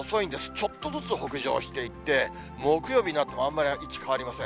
ちょっとずつ北上していって、木曜日になってもあんまり位置変わりません。